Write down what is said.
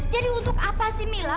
jadi untuk apa sih mila